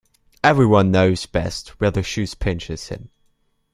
Every one knows best where the shoe pinches him.